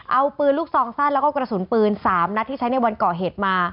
เอาปืนลูกซองสั้นแล้วก็กระสุนปืน๓นัดที่ใช้ในวันก่อเหตุมา